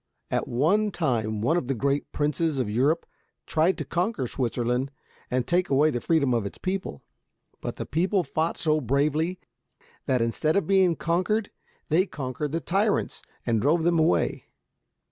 At one time one of the great princes of Europe tried to conquer Switzerland and take away the freedom of its people. But the people fought so bravely that instead of being conquered they conquered the tyrants and drove them away.